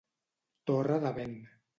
Torre de vent.